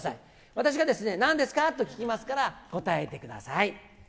私がなんですか？と聞きますから、答えてください。